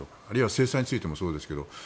あるいは制裁についてもそうですけど。